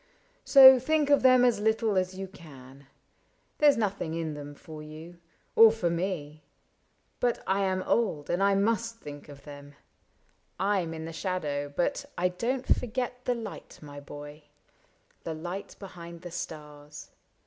So think of them as little as you can : There 's nothing in them for you, or for me — But I am old and I must think of them ; I *m in the shadow, but I don't forget The light, my boy, — the light behind the stars.